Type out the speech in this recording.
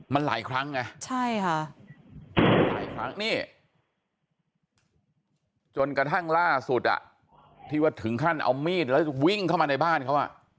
มันหลายครั้งจนกระทั่งล่าสุดที่ว่าถึงขั้นเอามีดแล้ววิ่งเข้ามาในบ้านเขา